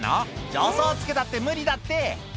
助走つけたって無理だって」